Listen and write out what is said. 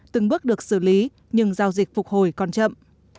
từng bước được xử lý nhưng giao dịch phục hồi còn chậm